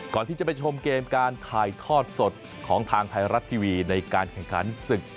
ก่อนที่จะไปชมเกมการถ่ายทอดสดของทางไทยรัฐทีวีในการแข่งขันศึก